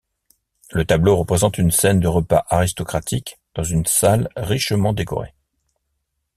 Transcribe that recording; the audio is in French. Le tableau représente une scène de repas aristocratique dans une salle richement décorée.